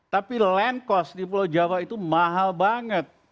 tapi land cost di pulau jawa itu mahal banget